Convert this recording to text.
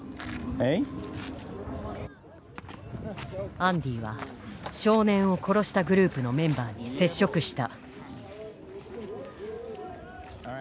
アンディは少年を殺したグループのメンバーに接触した。